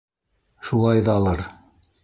Шулайҙалыр...